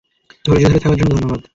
ধৈর্য্য ধরে থাকার জন্য ধন্যবাদ।